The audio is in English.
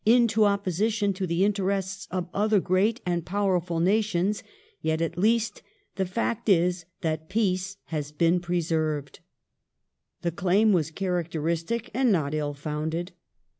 . into opposition to the interests of other great and powerful nations, yet at least the fact is that ... peace has been preserved "} The claim was characteristic and not ill founded.